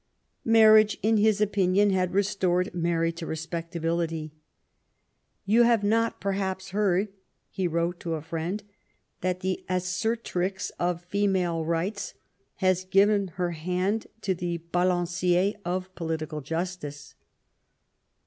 Marriage, in his opinion, had restored Mary to respectability. ^* You have not, perhaps^ heard," he wrote to a friend, " that the assertrix of female rights has given her hand to the halancier of political justice.'